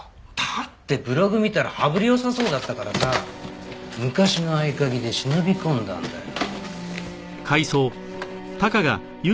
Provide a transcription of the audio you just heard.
だってブログ見たら羽振り良さそうだったからさ昔の合鍵で忍び込んだんだよ。